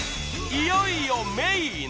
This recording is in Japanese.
いよいよメイン］